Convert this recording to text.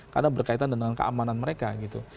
karena berkaitan dengan keamanan mereka gitu